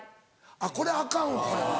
あっこれアカンわこれ。